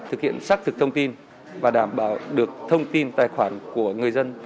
thực hiện xác thực thông tin và đảm bảo được thông tin tài khoản của người dân